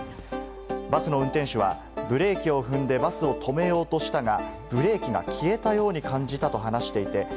バスの運転手は、ブレーキを踏んでバスを止めようとしたが、ブレーキが消えたように感じたと話していた。